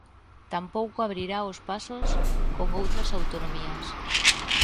Tampouco abrirá os pasos con outras autonomías.